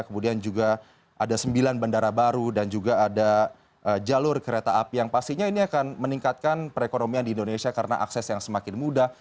kemudian juga ada sembilan bandara baru dan juga ada jalur kereta api yang pastinya ini akan meningkatkan perekonomian di indonesia karena akses yang semakin mudah